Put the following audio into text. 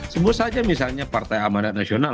sebut saja misalnya partai amanat nasional